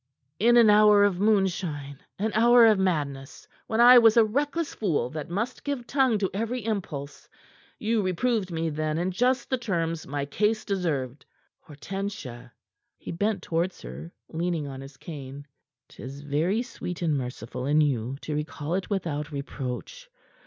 "In an hour of moonshine, an hour of madness, when I was a reckless fool that must give tongue to every impulse. You reproved me then in just the terms my case deserved. Hortensia," he bent towards her, leaning on his cane, "'tis very sweet and merciful in you to recall it without reproach.